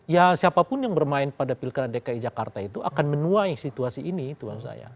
ya siapapun yang bermain pada pilkada dki jakarta itu akan menuai situasi ini itu maksud saya